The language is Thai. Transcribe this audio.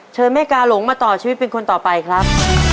เชิญแม่กาหลงมาต่อชีวิตเป็นคนต่อไปครับ